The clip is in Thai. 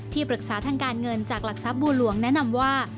ปรึกษาทางการเงินจากหลักทรัพย์บัวหลวงแนะนำว่า